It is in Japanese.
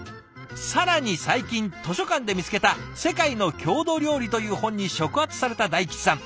更に最近図書館で見つけた「世界の郷土料理」という本に触発されたダイキチさん。